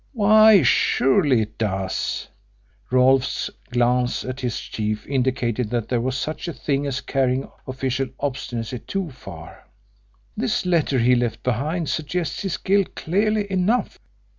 "Why, surely it does!" Rolfe's glance at his chief indicated that there was such a thing as carrying official obstinacy too far. "This letter he left behind suggests his guilt, clearly enough."